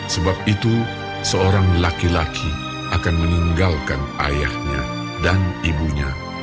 sebab itu seorang laki laki akan meninggalkan ayahnya dan ibunya